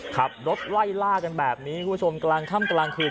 ขับรถไล่ล่ากันแบบนี้คุณผู้ชมกลางค่ำกลางคืน